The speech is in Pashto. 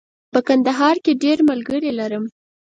په کندهار کې ډېر ملګري لرم.